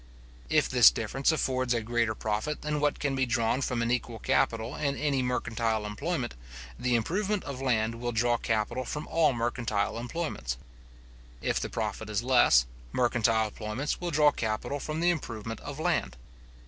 If this difference affords a greater profit than what can be drawn from an equal capital in any mercantile employment, the improvement of land will draw capital from all mercantile employments. If the profit is less, mercantile employments will draw capital from the improvement of land.